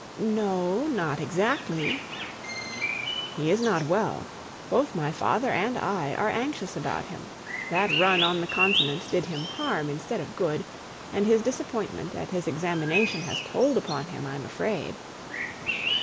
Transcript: "No not exactly." "He is not well. Both my father and I are anxious about him. That run on the Continent did him harm, instead of good; and his disappointment at his examination has told upon him, I'm afraid."